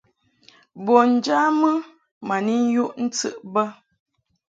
Bun njamɨ ma ni yuʼ ntɨʼ bə.